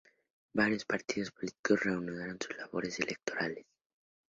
Varios partidos políticos reanudaron sus labores electorales.